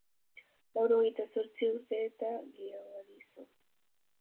Laurogehita zortzi urte eta geroari so.